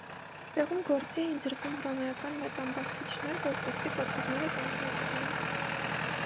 Տեղում գործի էին դրվում հռոմեական մեծ ամբարձիչները, որպեսզի կոթողները կանգնեցվեին։